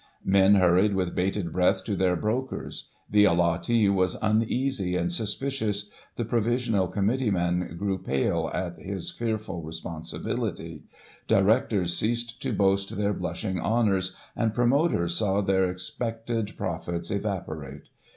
Men hurried with bated breath to their brokers ; the allottee was uneasy and suspicious, the provisional committeeman grew pale at his fearful responsi bility ; directors ceased to boast their blushing honours, and promoters saw their expected profits evaporate.